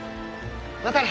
またね！